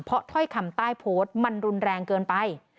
เพราะถ้อยคำใต้โพสต์มันรุนแรงเกินไป